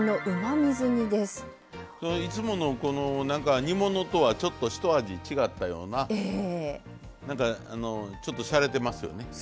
いつもの何か煮物とはちょっと一味違ったような何かちょっとしゃれてますよね。